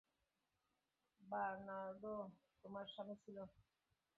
Bernardo তোমার স্বামী ছিল?